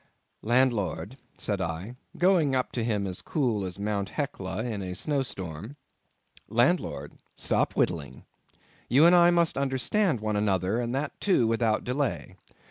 "Landlord," said I, going up to him as cool as Mt. Hecla in a snow storm—"landlord, stop whittling. You and I must understand one another, and that too without delay.